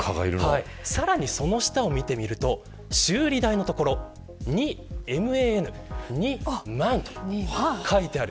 さらに、その下を見てみると修理代のところに２ｍａｎと書いてある。